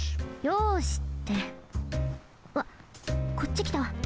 「よし」ってわっこっちきた。